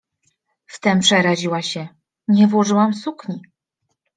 Wtem przeraziła się: „Nie włożyłam sukni.